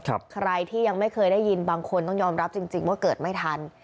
ใครที่ยังไม่เคยได้ยินบางคนต้องยอมรับจริงว่าเกิดไม่ทัน